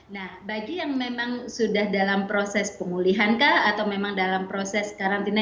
nah bagi yang memang sudah dalam proses pemulihan kah atau memang dalam proses karantina